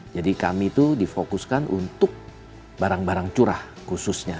jadi kami itu difokuskan untuk barang barang curah khususnya